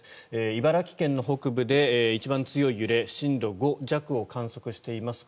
茨城県の北部で一番強い揺れ震度５弱を観測しています。